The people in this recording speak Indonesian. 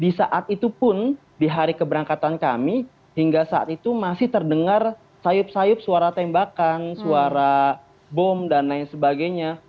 di saat itu pun di hari keberangkatan kami hingga saat itu masih terdengar sayup sayup suara tembakan suara bom dan lain sebagainya